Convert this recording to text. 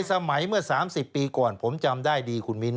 สมัยเมื่อ๓๐ปีก่อนผมจำได้ดีคุณมิ้น